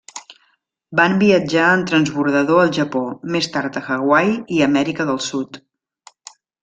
Van viatjar en transbordador al Japó, més tard a Hawaii i Amèrica del Sud.